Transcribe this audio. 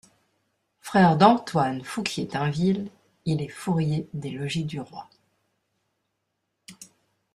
Frère d'Antoine Fouquier-Tinville, il est fourrier des logis du roi.